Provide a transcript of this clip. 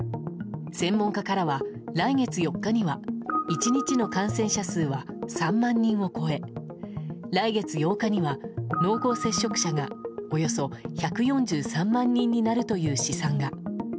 専門家からは来月４日には１日の感染者数は３万人を超え来月８日には濃厚接触者がおよそ１４３万人になるという試算が。